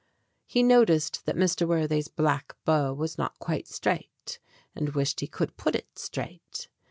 He noticed that Mr. Worthy's black bow was not quite straight, and wished he would put it straight.